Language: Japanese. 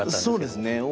そうですね。